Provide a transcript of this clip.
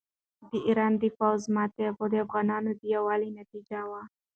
د ایران د پوځ ماته د افغانانو د یووالي نتیجه وه.